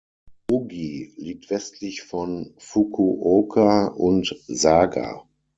Ogi liegt westlich von Fukuoka und Saga.